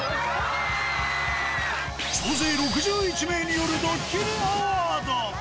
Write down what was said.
総勢６１名によるドッキリアワード。